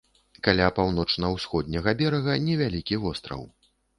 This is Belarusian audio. Каля паўночна-ўсходняга берага невялікі востраў.